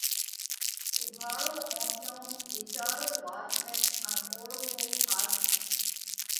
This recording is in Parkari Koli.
اُوگھاڙو اونکيون، وِيچارو وات نئہ ان اوۯکو ۿاس نئہ!